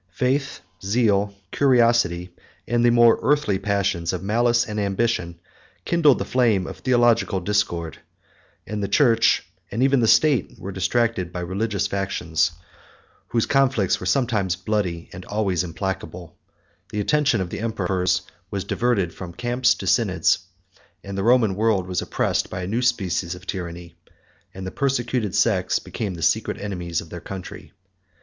511 Faith, zeal, curiosity, and the more earthly passions of malice and ambition, kindled the flame of theological discord; the church, and even the state, were distracted by religious factions, whose conflicts were sometimes bloody, and always implacable; the attention of the emperors was diverted from camps to synods; the Roman world was oppressed by a new species of tyranny; and the persecuted sects became the secret enemies of their country.